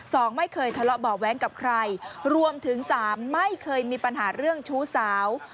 สองไม่เคยทะเลาะเบาะแว้งกับใครรวมถึงสามไม่เคยมีปัญหาเรื่องชู้สาว